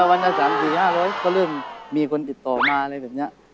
วันละ๓๔๕๐๐ก็เริ่มมีคนติดต่อมาอะไรแบบนี้